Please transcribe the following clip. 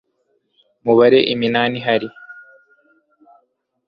mubare iminara ihari